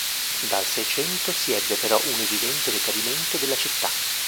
Dal Seicento si ebbe però un evidente decadimento della città.